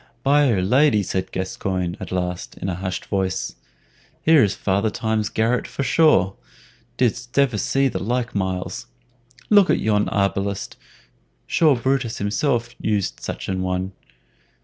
"By 'r Lady!" said Gascoyne at last, in a hushed voice, "here is Father Time's garret for sure. Didst ever see the like, Myles? Look at yon arbalist; sure Brutus himself used such an one!"